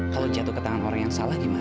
kalau jatuh ke tangan orang yang salah gimana